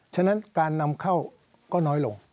ฉะนั้นการนำเข้าก็น้อยลง